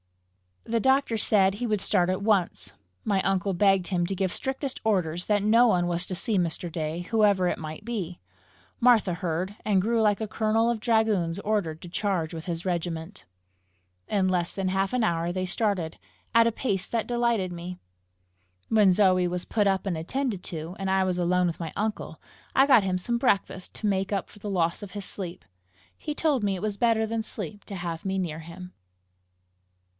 The doctor said he would start at once. My uncle begged him to give strictest orders that no one was to see Mr. Day, whoever it might be. Martha heard, and grew like a colonel of dragoons ordered to charge with his regiment. In less than half an hour they started at a pace that delighted me. When Zoe was put up and attended to, and I was alone with my uncle, I got him some breakfast to make up for the loss of his sleep. He told me it was better than sleep to have me near him.